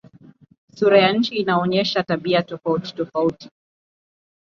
Sura ya nchi inaonyesha tabia tofautitofauti.